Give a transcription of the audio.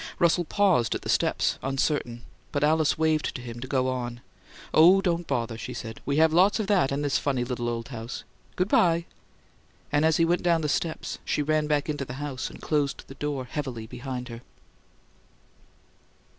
Russell paused at the steps, uncertain, but Alice waved to him to go on. "Oh, don't bother," she said. "We have lots of that in this funny little old house! Good bye!" And as he went down the steps, she ran back into the house and closed the door heavily behind her.